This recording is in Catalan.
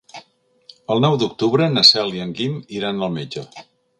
El nou d'octubre na Cel i en Guim iran al metge.